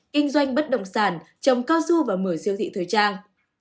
kinh doanh bất đồng sản trồng cao du và mở siêu thị thời trang